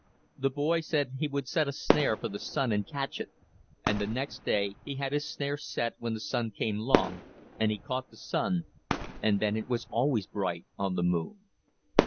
The boy said he would set a snare for the sun and catch it, and the next night he had his snare set when the sun came 'long, and he caught the sun, and then it was always bright on the moon.